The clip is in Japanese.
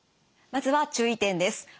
まずは注意点です。